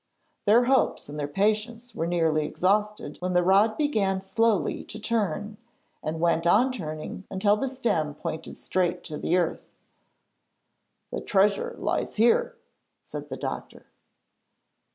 Their hopes and their patience were nearly exhausted when the rod began slowly to turn, and went on turning until the stem pointed straight to the earth. 'The treasure lies here,' said the doctor.